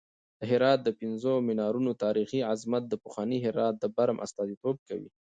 د هرات د پنځو منارونو تاریخي عظمت د پخواني هرات د برم استازیتوب کوي.